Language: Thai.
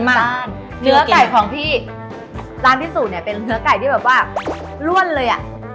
เนื้อไก่ของพี่ร้านพิสูจนเนี่ยเป็นเนื้อไก่ที่แบบว่าล่วนเลยอ่ะ